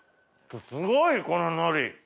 すごいこの海苔！